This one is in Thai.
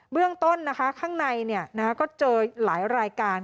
เรื่องต้นข้างในก็เจอหลายรายการ